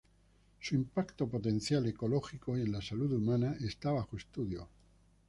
Su impacto potencial ecológico y en la salud humana está bajo estudio.